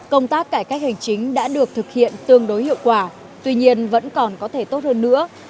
công tác cải cách hành chính đã được thực hiện tương đối hiệu quả tuy nhiên vẫn còn có thể tốt hơn nữa